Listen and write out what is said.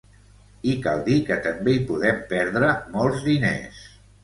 I cal dir que també hi podem perdre molts diners.